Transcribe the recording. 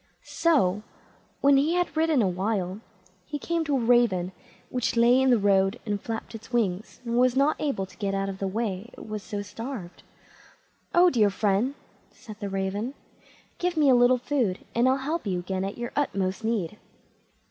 So, when he had ridden a while, he came to a Raven, which lay in the road and flapped its wings, and was not able to get out of the way, it was so starved. "Oh, dear friend", said the Raven, "give me a little food, and I'll help you again at your utmost need."